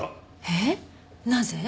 えっなぜ？